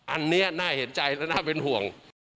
อันนี้น่าเห็นใจและน่าเป็นห่วง